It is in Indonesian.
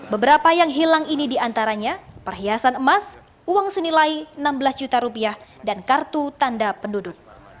beberapa yang hilang ini diantaranya perhiasan emas uang senilai enam belas juta rupiah dan kartu tanda penduduk